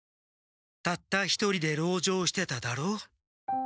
たった一人で籠城してただろう？